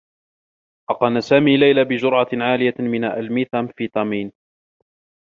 حقن سامي ليلى بجرعة عالية من الميثامفيتامين.